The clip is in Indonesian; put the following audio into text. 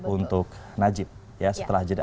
untuk najib setelah jeda